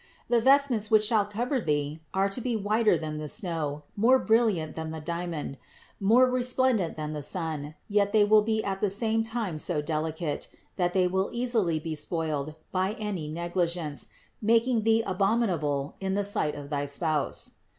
The vestments, which shall cover thee, are to be whiter than the snow, more brilliant than the diamond, more resplendent than the sun and yet they will be at the same time so delicate, that they will easily be spoiled by any negligence, making thee abominable in the sight of thy Spouse.